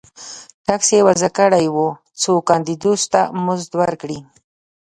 ټکس یې وضعه کړی و څو کاندیدوس ته مزد ورکړي